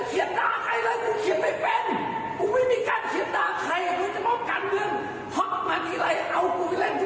ทำงานศิลปะเพื่อชาติบ้านเมือง